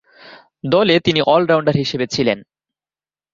দলে তিনি অল-রাউন্ডার হিসেবে ছিলেন।